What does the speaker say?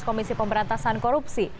komisi pemberantasan korupsi